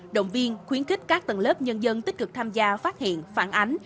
động viên khuyến khích các tầng lớp nhân dân tích cực tham gia phát hiện phản ánh